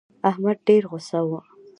احمد ډېر غوسه و.